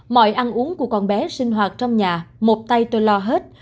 mọi ăn uống của con bé sinh hoạt trong nhà một tay tôi lo hết